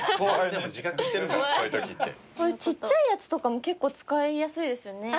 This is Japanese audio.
ちっちゃいやつとかも結構使いやすいですよね。